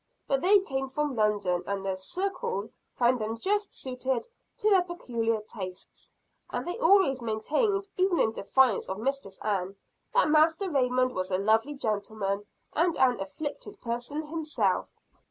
But they came from London and the "circle" found them just suited to their peculiar tastes; and they always maintained, even in defiance of Mistress Ann, that Master Raymond was a lovely gentleman and an "afflicted" person himself.